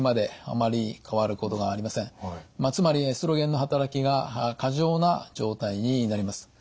つまりエストロゲンの働きが過剰な状態になります。